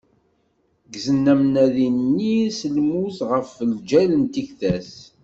Ggzen amnadi-nni s lmut ɣef lǧal n tikta-s.